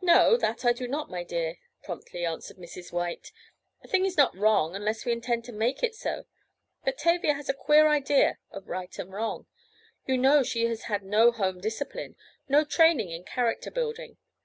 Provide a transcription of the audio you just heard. "No, that I do not, my dear," promptly answered Mrs. White. "A thing is not wrong unless we intend to make it so. But Tavia has a queer idea of right and wrong. You know she has had no home discipline—no training in character building.